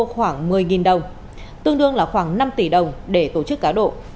khoảng một mươi đồng tương đương là khoảng năm tỷ đồng để tổ chức cá độ